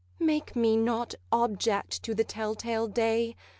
'Make me not object to the tell tale Day!